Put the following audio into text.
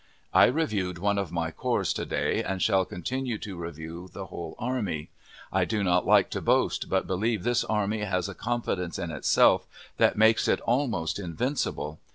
I reviewed one of my corps to day, and shall continue to review the whole army. I do not like to boast, but believe this army has a confidence in itself that makes it almost invincible.